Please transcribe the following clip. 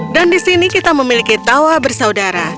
dan di sini kita memiliki tawa bersaudara